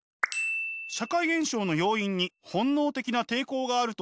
社会現象の要因に本能的な抵抗があるとするアラン哲学。